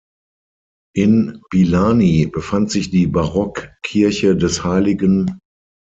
In Bylany befand sich die Barockkirche des Hl.